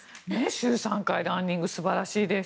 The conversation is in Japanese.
週３回ランニング素晴らしいです。